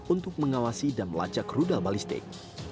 untuk mengawasi dan melacak rudal balistik